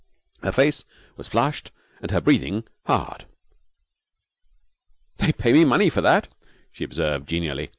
Her face was flushed and she was breathing hard. 'They pay me money for that!' she observed, genially.